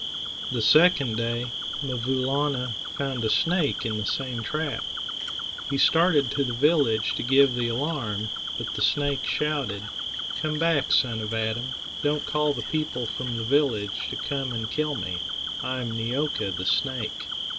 The second day, 'Mvoo Laana found a snake in the same trap. He started to the village to give the alarm, but the snake shouted: "Come back, son of Adam; don't call the people from the village to come and kill me. I am Neeo'ka, the snake.